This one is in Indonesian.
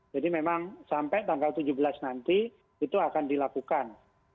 jadi memang sampai tanggal tujuh belas nanti itu akan dilakukan